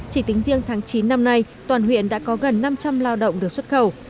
chỉ tính riêng tháng chín năm nay toàn huyện đã có gần năm trăm linh lao động được xuất khẩu